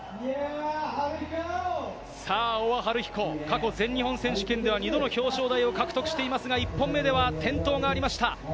大和晴彦、過去全日本選手権では２度の表彰台を獲得していますが、１本目では転倒がありました。